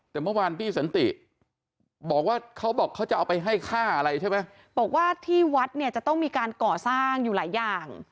แต่เมื่อวานพี่สันติบอกว่าเขาบอกเขาจะเอาไปให้ค่าอะไรใช่ไหมบอกว่าที่วัดเนี่ยจะต้องมีการก่อสร้างอยู่หลายอย่าง